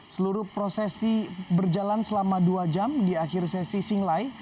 seluruh prosesi berjalan selama dua jam di akhir sesi singlai